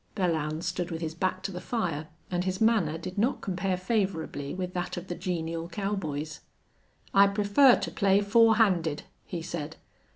Belllounds stood with his back to the fire and his manner did not compare favorably with that of the genial cowboys. "I prefer to play four handed," he said.